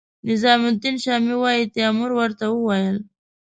نظام الدین شامي وايي تیمور ورته وویل.